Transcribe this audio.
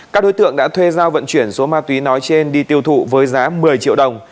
các đối tượng đã thuê giao vận chuyển số ma túy nói trên đi tiêu thụ với giá một mươi triệu đồng